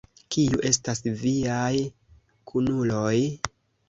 Kiu estas viaj kunuloj?